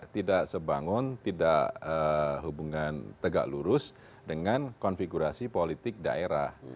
tidak sebangun tidak hubungan tegak lurus dengan konfigurasi politik daerah